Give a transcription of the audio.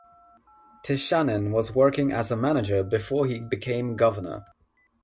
Tishanin was working as a manager before he became governor.